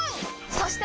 そして！